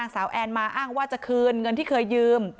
สาวแอนมาอ้างว่าจะคืนเงินที่เคยยืม